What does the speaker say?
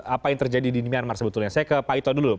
apa yang terjadi di myanmar sebetulnya saya ke pak ito dulu